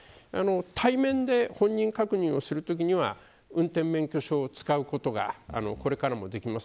対面で本人確認をするときには運転免許証を使うことがこれからもできます。